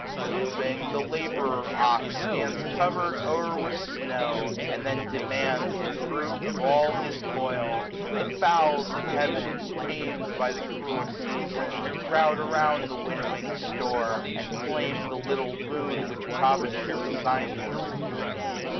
Drooping, the labourer ox 240 Stands covered o*er with snow, and then demands The fruit of all his toil. The fowls of heaven, Tam'd by the cruel season, crowd around The winnowing store, and claim the little boon Which Providence assigns them.